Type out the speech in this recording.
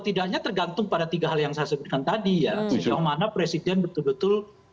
tidaknya tergantung pada tiga hal yang saya sebutkan tadi ya sejauh mana presiden betul betul